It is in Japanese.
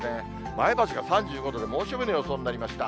前橋が３５度で猛暑日の予想になりました。